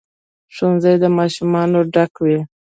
ښوونځي د ماشومانو ډک وي.